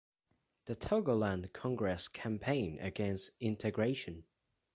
The Togoland Congress campaigned against integration.